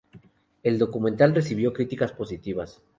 El documental recibió críticas positivas.